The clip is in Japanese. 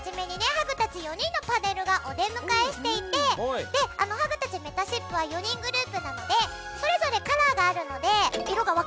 ハグたち４人のパネルがお出迎えしていてハグたちめたしっぷは４人グループなのでそれぞれカラーがあるので色が分かれてるんですよ。